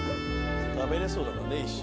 食べれそうだからね一瞬。